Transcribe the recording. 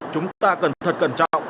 chúng ta cần thật cẩn trọng